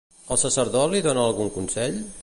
El sacerdot li dona algun consell?